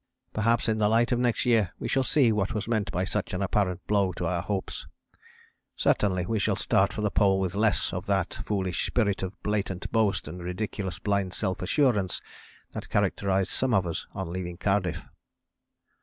Perhaps in the light of next year we shall see what was meant by such an apparent blow to our hopes. Certainly we shall start for the Pole with less of that foolish spirit of blatant boast and ridiculous blind self assurance, that characterized some of us on leaving Cardiff.